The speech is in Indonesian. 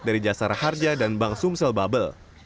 dari jasara harja dan bang sumsel babel